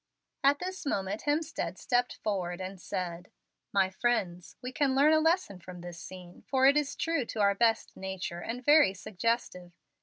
At this moment Hemstead stepped forward, and said: "My friends, we can learn a lesson from this scene, for it is true to our best nature, and very suggestive.